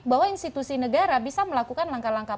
bahwa institusi negara bisa melakukan langkah langkah